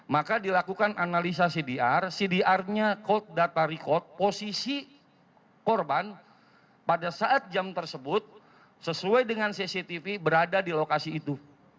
maka dilakukan analisa cdr cdr nya cold data record posisi korban pada saat jam tersebut sesuai dengan cctv berada di lokasi itu